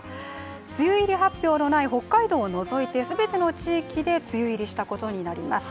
梅雨入り発表のない北海道を除いて、全ての地域で梅雨入りしたことになります。